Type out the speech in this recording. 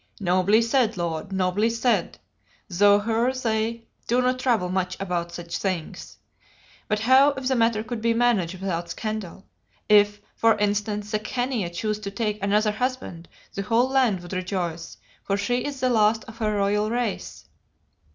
"Nobly said, lord, nobly said, though here they do not trouble much about such things. But how if the matter could be managed without scandal? If, for instance, the Khania chose to take another husband the whole land would rejoice, for she is the last of her royal race."